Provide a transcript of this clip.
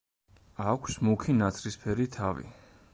აქვს მუქი ნაცრისფერი თავი.